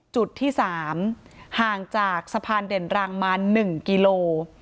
จุดที่๓ห่างจากสะพานเด่นรังมา๑กิโล